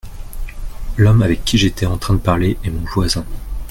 L’homme avec qui j’étais en train de parler est mon voisin.